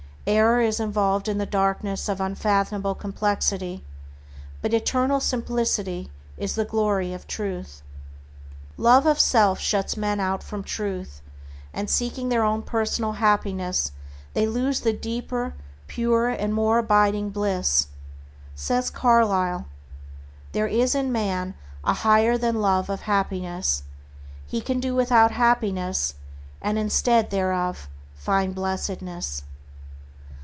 Error is involved in the darkness of unfathomable complexity, but eternal simplicity is the glory of Truth. Love of self shuts men out from Truth, and seeking their own personal happiness they lose the deeper, purer, and more abiding bliss. Says Carlyle "There is in man a higher than love of happiness. He can do without happiness, and instead thereof find blessedness.